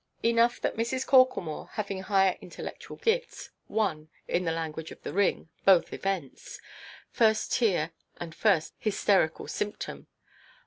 Enough that Mrs. Corklemore, having higher intellectual gifts, "won," in the language of the ring, "both events"—first tear, and first hysterical symptom.